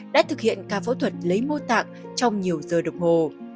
đã thực hiện ca phẫu thuật lấy mô tạng trong nhiều giờ đồng hồ